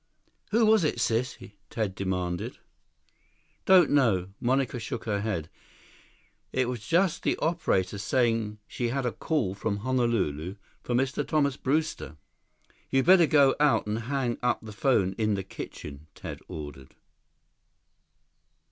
"Who was it, sis?" Ted demanded. "Don't know." Monica shook her head. "It was just the operator saying she had a call from Honolulu for Mr. Thomas Brewster." "You'd better go out and hang up the phone in the kitchen," Ted ordered.